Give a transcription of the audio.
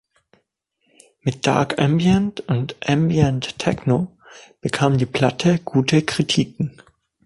Mit Dark Ambient und Ambient Techno bekam die Platte gute Kritiken.